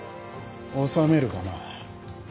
収めるかな。